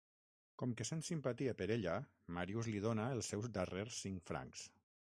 Com que sent simpatia per ella, Marius li dona els seus darrers cinc francs.